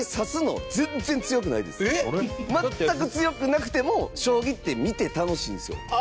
高橋：全く強くなくても将棋って、見て楽しいんですよ。